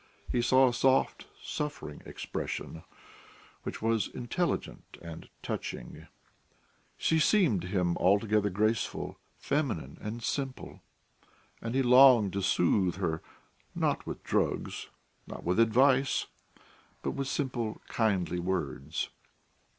He saw a soft, suffering expression which was intelligent and touching: she seemed to him altogether graceful, feminine, and simple; and he longed to soothe her, not with drugs, not with advice, but with simple, kindly words.